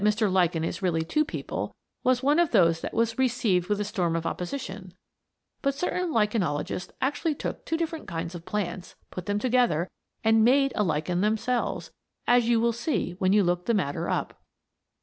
This idea that Mr. Lichen is really two people was one of those that was "received with a storm of opposition," but certain lichenologists actually took two different kinds of plants, put them together and made a lichen themselves, as you will see when you look the matter up.